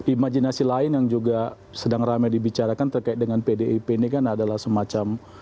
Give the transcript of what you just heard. imajinasi lain yang juga sedang ramai dibicarakan terkait dengan pdip ini kan adalah semacam